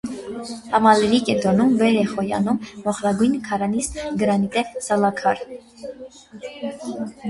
Համալիրի կենտրոնում վեր է խոյանում մոխրագույն քառանիստ գրանիտե սալաքար։